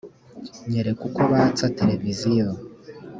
nyereka uko batsa tereviziyo